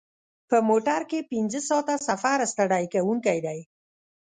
په موټر کې پنځه ساعته سفر ستړی کوونکی دی.